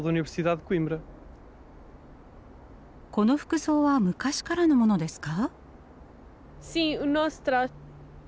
この服装は昔からのものですか？